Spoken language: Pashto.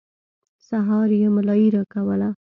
سهار يې ملايي راکوله.